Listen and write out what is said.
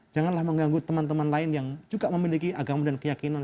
janganlah mengganggu teman teman lain yang juga memiliki agama dan keyakinan